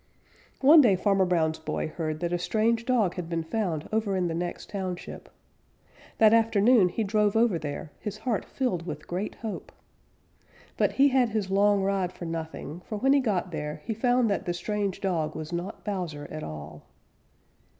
One day Farmer Brown's boy heard that a strange dog had been found over in the next township. That afternoon he drove over there, his heart filled with great hope. But he had his long ride for nothing, for when he got there he found that the strange dog was not Bowser at all.